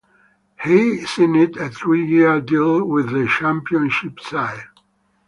He signed a three-year deal with the Championship side.